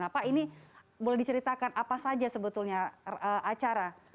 nah pak ini boleh diceritakan apa saja sebetulnya acara